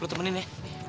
lo temenin ya